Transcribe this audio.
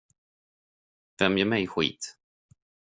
Vem ger mig skit?